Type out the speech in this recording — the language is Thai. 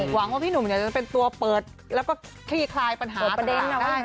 หวังว่าพี่หนุ่มจะเป็นตัวเปิดและตลายโปรดปัญหาใหม่ได้